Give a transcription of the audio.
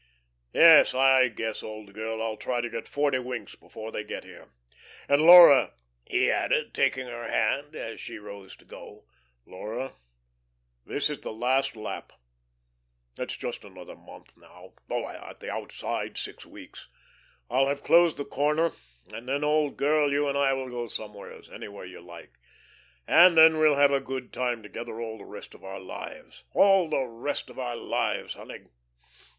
Yes, I guess, old girl, I'll try to get forty winks before they get here. And, Laura," he added, taking her hand as she rose to go, "Laura, this is the last lap. In just another month now oh, at the outside, six weeks I'll have closed the corner, and then, old girl, you and I will go somewheres, anywhere you like, and then we'll have a good time together all the rest of our lives all the rest of our lives, honey.